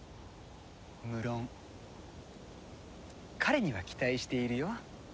無論彼には期待しているよ。